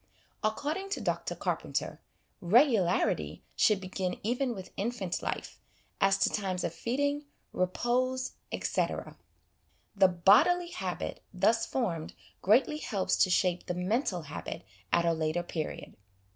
According to Dr Carpenter, " Regularity should begin even with infant life, as to times of feeding, repose, etc. The 132 HOME EDUCATION bodily habit thus formed greatly helps to shape the mental habit at a later period.